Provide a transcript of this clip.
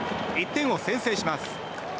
１点を先制します。